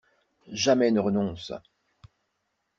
Jamais ne renonce